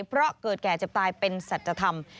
เพราะเกิดแก่เจ็บตายเป็นสัจธรรม